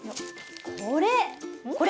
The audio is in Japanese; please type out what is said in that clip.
これ！